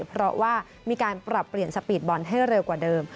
เพราะว่ามีการปรับเปลี่ยนสปีดบอลให้เร็วกว่าเดิม